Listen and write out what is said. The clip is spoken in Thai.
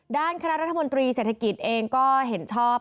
ด้านคณะรัฐมนตรีเศรษฐกิจเองก็เห็นชอบ